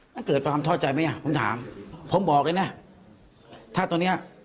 แล้วเกิดความทอดใจไหมอ่ะผมถามผมบอกเลยนะถ้าตอนเนี้ย